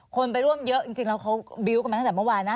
คนไปร่วมเยอะจริงแล้วเขาบิวต์กันมาตั้งแต่เมื่อวานนะ